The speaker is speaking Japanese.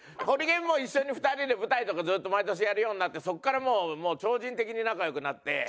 ホリケンも一緒に２人で舞台とかずっと毎年やるようになってそこからもう超人的に仲良くなって。